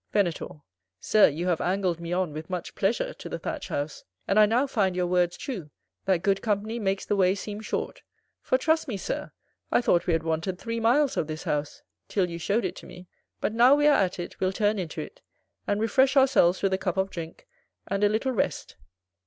Venator. Sir, you have angled me on with much pleasure to the Thatched House; and I now find your words true, "that good company makes the way seem short"; for trust me, Sir, I thought we had wanted three miles of this house, till you showed it to me. But now we are at it, we'll turn into it, and refresh ourselves with a cup of drink, and a little rest.